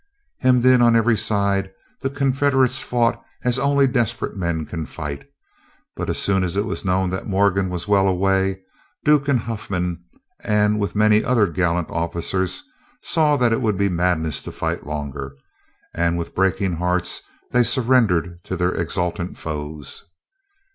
Hemmed in on every side, the Confederates fought as only desperate men can fight; but as soon as it was known that Morgan was well away, Duke and Huffman, and with them many other gallant officers, saw it would be madness to fight longer, and with breaking hearts they surrendered to their exultant foes.